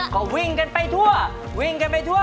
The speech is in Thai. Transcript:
ก็วิ่งกันไปทั่ววิ่งกันไปทั่ว